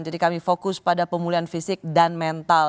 jadi kami fokus pada pemulihan fisik dan mental